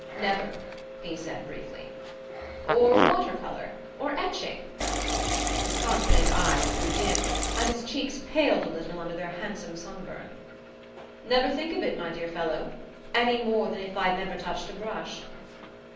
"Never," he said briefly. "Or water colour or etching?" His confident eyes grew dim, and his cheeks paled a little under their handsome sunburn. "Never think of it, my dear fellow any more than if I'd never touched a brush."